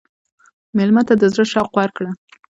مېلمه ته د زړه شوق ورکړه.